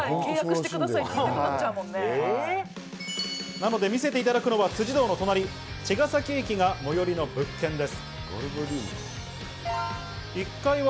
なので見せていただくのは辻堂の隣、茅ヶ崎駅が最寄りの物件です。